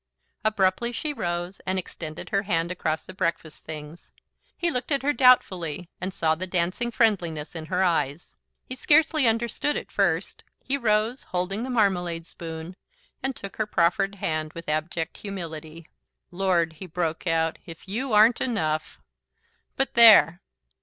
Abruptly she rose, and extended her hand across the breakfast things. He looked at her doubtfully, and saw the dancing friendliness in her eyes. He scarcely understood at first. He rose, holding the marmalade spoon, and took her proffered hand with abject humility. "Lord," he broke out, "if you aren't enough but there!"